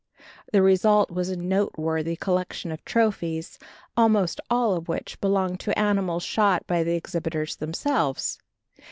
The result was a noteworthy collection of trophies, almost all of which belonged to animals shot by the exhibitors themselves.